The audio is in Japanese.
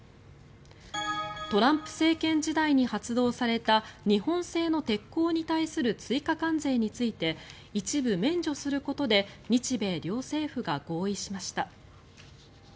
トランプ政権時代に発動された日本製の鉄鋼に対する追加関税について一部免除することで日米両政府が合意しました。